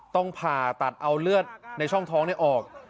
ต้องผ่าตัดเอาเลือดในช่องท้องออก